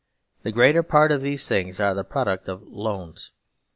The greater part of these things are the pro duct of " loans."